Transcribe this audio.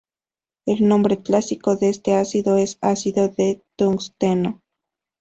El nombre clásico de este ácido es "ácido de tungsteno".